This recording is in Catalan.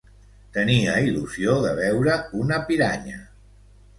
Tenia l'il·lusió de veure una piranya.